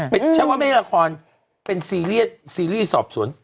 เป็นเรื่องเป็นซิริสร์ซอบสวน